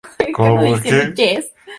El período de floración es de mayo a junio.